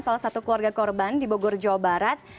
salah satu keluarga korban di bogor jawa barat